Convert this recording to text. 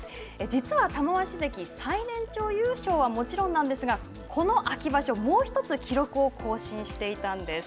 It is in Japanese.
実は玉鷲関、最年長優勝はもちろんなんですがこの秋場所、もうひとつ記録を更新していたんです。